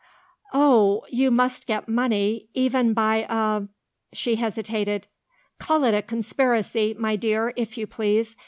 "Oh! must you get money even by a " She hesitated. "Call it a conspiracy, my dear, if you please.